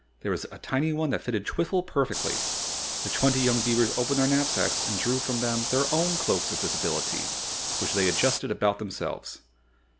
There was a tiny one that fitted Twiffle perfectly. The twenty young beavers opened their knapsacks and drew from them their own Cloaks of Visibility, which they adjusted about themselves.